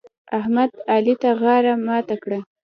احمد؛ علي ته غاړه ماته کړه.